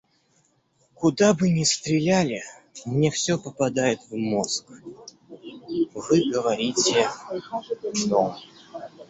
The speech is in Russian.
Куда бы ни стреляли, мне все попадает в мозг, — вы говорите — дом.